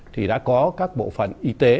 thì đã có các bộ phận y tế